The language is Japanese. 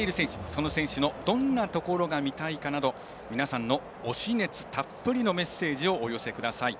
その選手のどんなところが見たいかなど皆さんの推し熱たっぷりのメッセージをお寄せください。